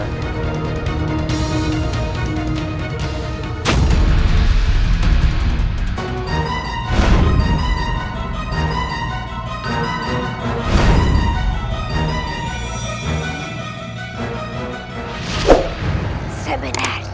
jangan lupa menikmati video ini